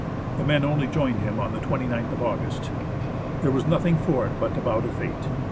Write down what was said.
The men only joined him on the 29th of August. There was nothing for it but to bow to fate.